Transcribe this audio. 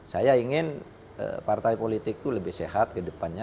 saya ingin partai politik itu lebih sehat ke depannya